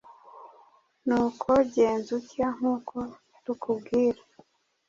Nuko genza utya, nk’uko tukubwira.